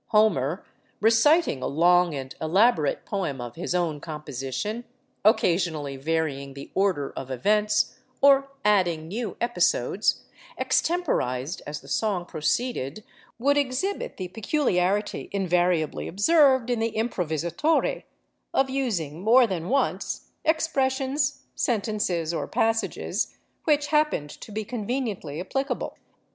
Homer, reciting a long and elaborate poem of his own composition, occasionally varying the order of events, or adding new episodes, extemporized as the song proceeded, would exhibit the peculiarity invariably observed in the 'improvisatore,' of using, more than once, expressions, sentences, or passages which happened to be conveniently applicable.